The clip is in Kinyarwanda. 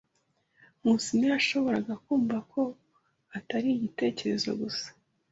Nkusi ntiyashoboraga kumva ko atari igitekerezo gusa.